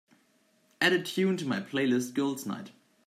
Add a tune to my playlist girls' night